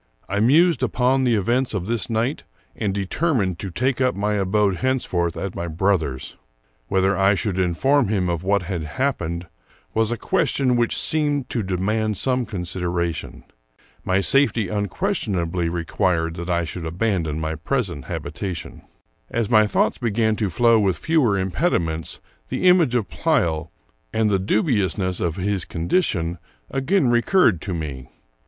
I mused upon the events of this night, and determined to take up my abode hence forth at my brother's. Whether I should inform him of what had happened was a question which seemed to de mand some consideration. My safety unquestionably re quired that I should abandon my present habitation. As my thoughts began to flow with fewer impediments, the image of Pleyel, and the dubiousness of his condition, again recurred to me.